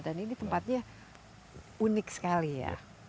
dan ini tempatnya unik sekali ya